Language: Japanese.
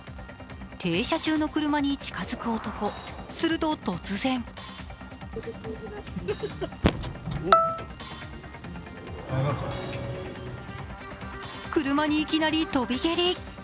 停車中の車に近づく男、すると、突然車にいきなり飛び蹴り。